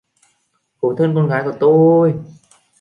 Khổ thân con gái của tôi